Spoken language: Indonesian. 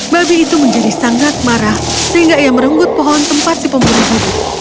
babi itu menjadi sangat marah sehingga ia merenggut pohon tempat si pembunuh diri